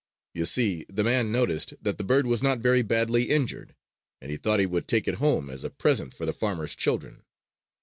You see, the man noticed that the bird was not very badly injured; and he thought he would take it home as a present for the farmer's children.